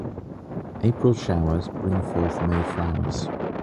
April showers bring forth May flowers.